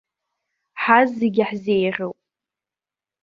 Ҳазегьы иаҳзеиӷьуп.